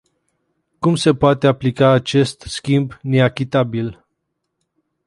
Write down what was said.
Cum se poate aplica acest schimb neechitabil?